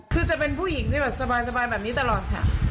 คือจะเป็นผู้หญิงที่แบบสบายแบบนี้ตลอดค่ะ